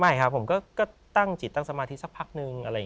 ไม่ครับผมก็ตั้งจิตตั้งสมาธิสักพักนึง